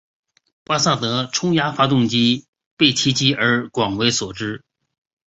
巴萨德冲压发动机中被提及而广为所知。